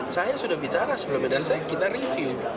saya sudah bicara sebelumnya dan kita review